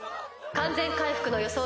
完全回復の予想